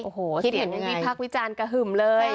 โอ้โหเสียงวิพักษ์วิจารณ์กระหึ่มเลย